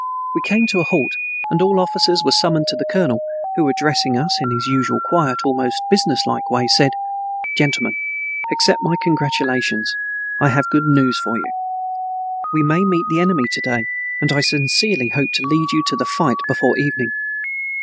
We came to a halt and all officers were summoned to the colonel who, addressing us in his usual quiet, almost businesslike way, said: "Gentlemen, accept my congratulations, I have good news for you, we may meet the enemy to day and I sincerely hope to lead you to the fight before evening."